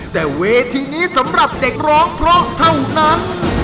แต่เวทีนี้สำหรับเด็กร้องเพราะเท่านั้น